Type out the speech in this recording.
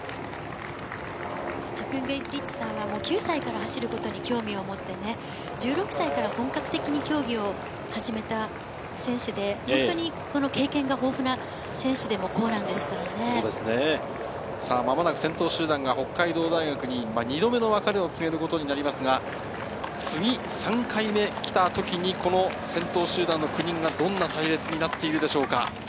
チェプンゲティッチさんは９歳から走ることに興味を持って、１６歳から本格的に競技を始めた選手で、経験が豊富な選手でもこうなんですからね。間もなく先頭集団が北海道大学に２度目の別れを告げることになりますが、次、３回目来たときに、この先頭集団の９人がどんな隊列になっているでしょうか。